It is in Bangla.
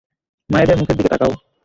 মায়েদের মুখের দিকে তাকাও!